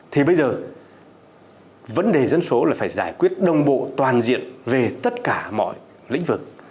thì bây giờ vấn đề dân số là phải giải quyết đồng bộ toàn diện về tất cả mọi lĩnh vực